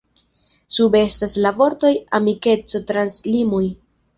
Sube estas la vortoj “Amikeco trans limoj”.